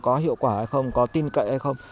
có hiệu quả hay không có tin cậy hay không